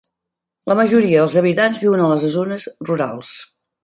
La majoria dels habitants viuen a les zones rurals.